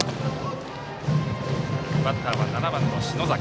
バッターは７番の篠崎。